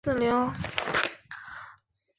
以女性为大宗